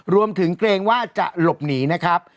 รวมถึงเกรงว่าจะหลบหนีนะครับ